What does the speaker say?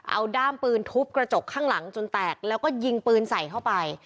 เอาด้ามปืนทุบกระจกข้างหลังจนแตกแล้วก็ยิงปืนใส่เข้าไป